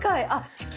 地球。